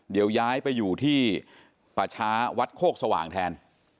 เดี๋ยวย้ายไปอยู่ที่ป่าช้าวัดโคกสว่างแทน